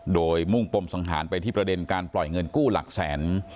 โดยมุ่งปมสังหารไปที่ประเด็นการปล่อยเงินกู้หลักแสน